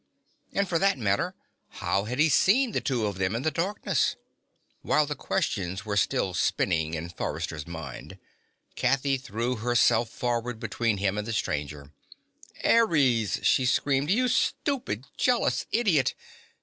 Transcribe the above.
And, for that matter, how had he seen the two of them in the darkness? While the questions were still spinning in Forrester's mind, Kathy threw herself forward between him and the stranger. "Ares!" she screamed. "You stupid, jealous idiot!